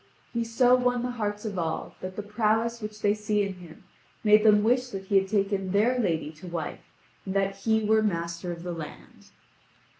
He so won the hearts of all that the prowess which they see in him made them wish that he had taken their lady to wife, and that he were master of the land.